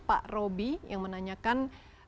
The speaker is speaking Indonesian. pak robi yang menanyakan